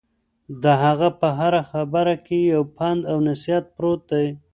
د هغه په هره خبره کې یو پند او نصیحت پروت دی.